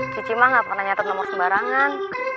cici mah gak pernah nyatain nomor sembarangan